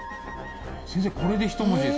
先生これで一文字ですか？